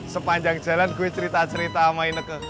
sepanjang jalan gue cerita cerita sama ineke